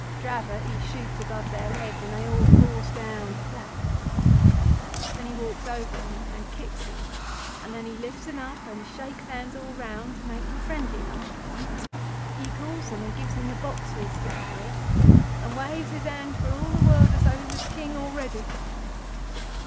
Dravot he shoots above their heads and they all falls down flat. Then he walks over them and kicks them, and then he lifts them up and shakes hands all around to make them friendly like. He calls them and gives them the boxes to carry, and waves his hand for all the world as though he was King already.